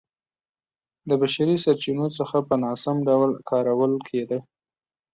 د بشري سرچینو څخه په ناسم ډول کارول کېده